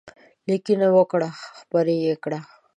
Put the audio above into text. لیکنې وکړه خپرې یې کړه.